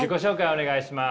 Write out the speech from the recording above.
お願いします。